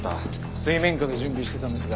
水面下で準備してたんですが。